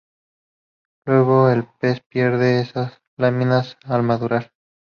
Luego el pez pierde esas láminas al madurar.